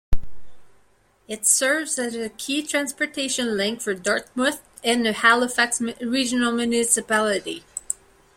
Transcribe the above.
It serves as a key transportation link for Dartmouth and the Halifax Regional Municipality.